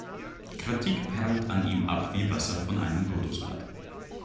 Kritik perlt an ihm ab wie Wasser von einem Lotosblatt.